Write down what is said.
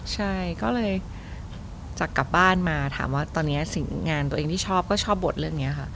ใช่ก็เลยจากกลับบ้านมาถามว่าตอนนี้สิ่งงานตัวเองที่ชอบก็ชอบบทเรื่องนี้ค่ะ